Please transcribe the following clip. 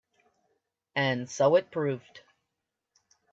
And so it proved.